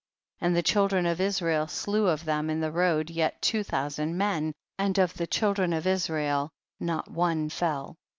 38. And the children of Israel slew of them in the road yet two thousand men, and of the children of Israel not one fell.